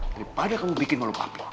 daripada kamu bikin malu pakai